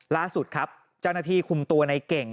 ล่าสุดครับเจ้าหน้าที่คุมตัวในเก่ง